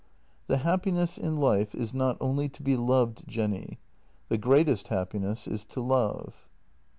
" The happiness in life is not only to be loved, Jenny; the greatest happiness is to love."